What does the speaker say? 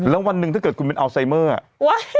แล้ววันหนึ่งถ้าเกิดคุณเป็นอัลไซเมอร์อ่ะ